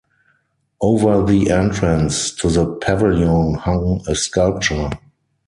Over the entrance to the pavilion hung a sculpture.